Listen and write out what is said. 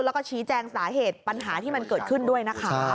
แล้วก็ชี้แจงสาเหตุปัญหาที่มันเกิดขึ้นด้วยนะคะ